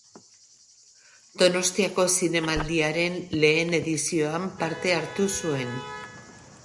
Donostiako Zinemaldiaren lehen edizioan parte hartu zuen.